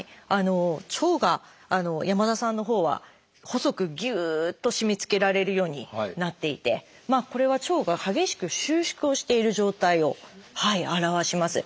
腸が山田さんのほうは細くぎゅっと締めつけられるようになっていてこれは腸が激しく収縮をしている状態を表します。